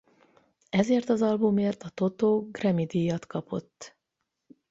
Ezért az albumért a Toto Grammy-díjat kapott.